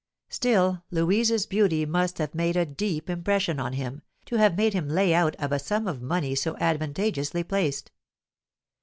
Still Louise's beauty must have made a deep impression on him to have made him lay out of a sum of money so advantageously placed.